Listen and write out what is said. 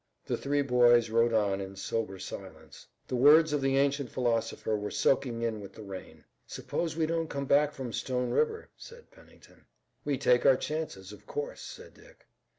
The three boys rode on in sober silence. The words of the ancient philosopher were soaking in with the rain. "Suppose we don't come back from Stone River," said Pennington. "We take our chances, of course," said Dick.